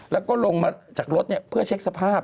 แล้วก็ลงมาจากรถเพื่อเช็คสภาพ